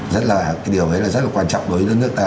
rất là cái điều đấy là rất là quan trọng đối với đất nước ta